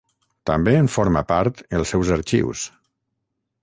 També en forma part els seus arxius.